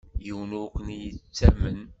Yiwen ur ken-yettamen.